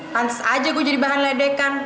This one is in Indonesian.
tanses aja gue jadi bahan ledek kan